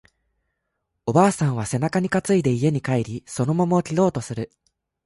おばあさんは背中に担いで家に帰り、その桃を切ろうとする